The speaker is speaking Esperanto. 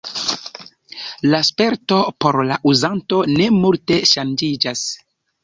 La sperto por la uzanto ne multe ŝanĝiĝas.